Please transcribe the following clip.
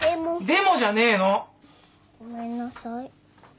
でもじゃねえの。ごめんなさい。